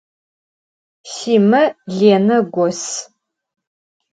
Sime Lene gos.